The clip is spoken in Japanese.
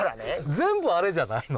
全部あれじゃないの？